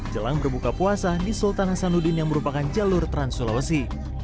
jelang berbuka puasa di sultan hasanuddin yang merupakan jalur trans sulawesi